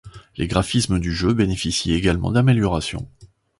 Les graphismes du jeu bénéficient également d’améliorations.